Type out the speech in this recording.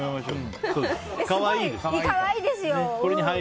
でも、可愛いですよ！